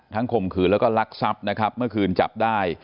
ข่มขืนแล้วก็ลักทรัพย์นะครับเมื่อคืนจับได้